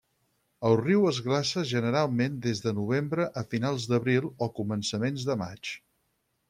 El riu es glaça generalment des de novembre a finals d'abril o començaments de maig.